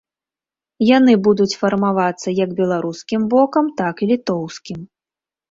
Яны будуць фармавацца як беларускім бокам, так і літоўскім.